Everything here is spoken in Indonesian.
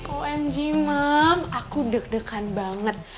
omg mam aku deg degan banget